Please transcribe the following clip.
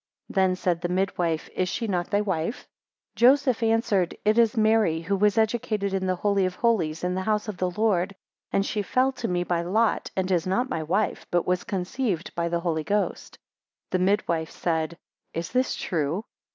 5 Then said the midwife, Is she not thy wife? 6 Joseph answered, It is Mary, who was educated in the Holy of Holies, in the house of the Lord, and she fell to me by lot, and is not my wife, but has conceived by the Holy Ghost. 7 The midwife said, Is this true?